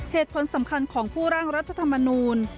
เหตุผลสำคัญของผู้ร่างรัฐธรรมนูล